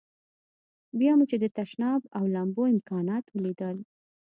بیا مو چې د تشناب او لمبو امکانات ولیدل.